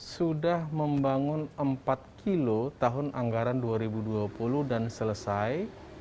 sudah membangun empat kilo tahun anggaran dua ribu dua puluh dan selesai